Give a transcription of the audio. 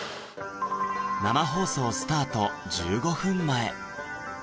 生放送スタート１５分前